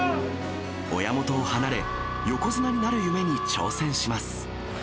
親元を離れ、横綱になる夢に挑戦します。